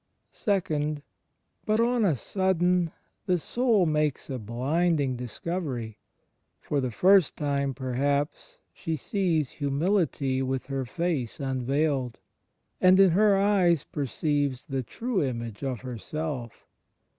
(ii) But, on a sudden, the soul makes a blinding dis covery; for the first time, perhaps, she sees Himiility with her face unveiled, and in her eyes perceives the true image of herself.